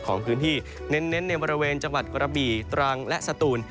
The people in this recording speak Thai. ของพื้นที่เน้นในบริเวณจังหวัดกระบี่ตรังและสตูน